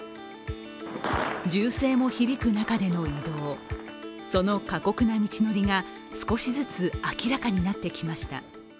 銃声も響く中での移動、その過酷な道のりが少しずつ明らかになってきました。